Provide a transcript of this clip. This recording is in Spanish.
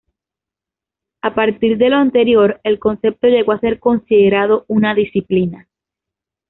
A partir de lo anterior, el concepto llegó a ser considerado una disciplina.